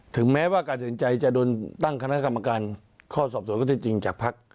แม้ว่าการสินใจจะโดนตั้งคณะกรรมการข้อสอบสวนข้อที่จริงจากภักดิ์